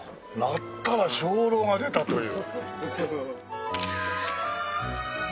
鳴ったら鐘楼が出たという。